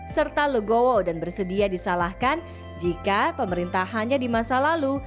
serta legowo dan bersedia disalahkan jika pemerintahannya di masa lalu